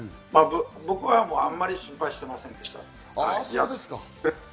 僕はあまり心配していませんでした。